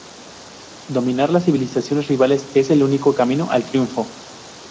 Dominar las civilizaciones rivales es el único camino al triunfo.